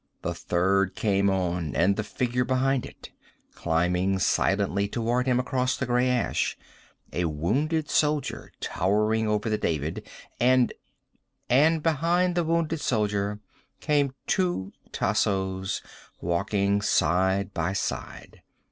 The third came on. And the figure behind it. Climbing silently toward him across the gray ash. A Wounded Soldier, towering over the David. And And behind the Wounded Soldier came two Tassos, walking side by side.